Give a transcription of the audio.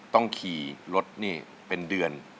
ต้องขี่รถนี่เป็นเดือน